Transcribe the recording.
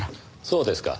そうですか。